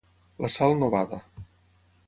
La Sal no bada.